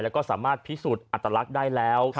แล้วก็สามารถพิสูจน์อัตลักษณ์ได้แล้ว